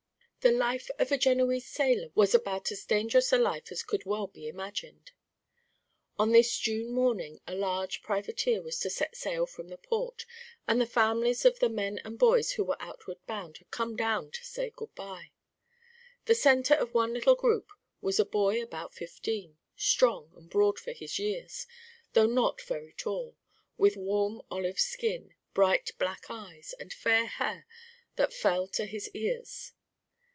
The life of a Genoese sailor was about as dangerous a life as could well be imagined. On this June morning a large privateer was to set sail from the port, and the families of the men and boys who were outward bound had come down to say good bye. The centre of one little group was a boy about fifteen, strong and broad for his years, though not very tall, with warm olive skin, bright black eyes, and fair hair that fell to his ears.